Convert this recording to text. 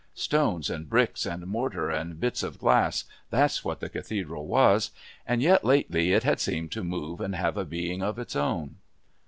Stones and bricks and mortar and bits of glass, that's what the Cathedral was, and yet lately it had seemed to move and have a being of its own.